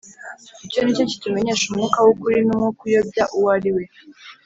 Icyo ni cyo kitumenyesha Umwuka w'ukuri n'umwuka uyobya uwo ari we